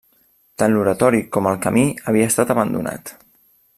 Tant l'oratori com el camí havia estat abandonat.